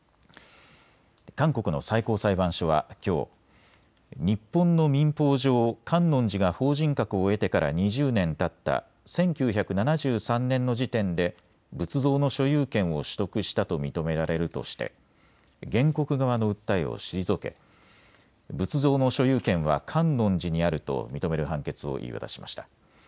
韓国の最高裁判所はきょう、日本の民法上、観音寺が法人格を得てから２０年たった１９７３年の時点で仏像の所有権を取得したと認められるとして原告側の訴えを退け、仏像の所有権は観音寺にあると認める判決を言い渡しました。